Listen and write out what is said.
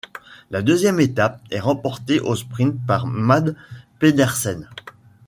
La deuxième étape est remporté au sprint par Mads Pedersen.